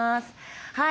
はい。